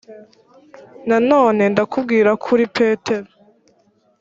nanone ndakubwira ko uri petero